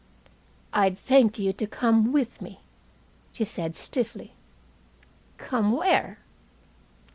"I'd thank you to come with me," she said stiffly. "Come where?"